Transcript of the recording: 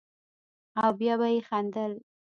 او بيا به يې خندل.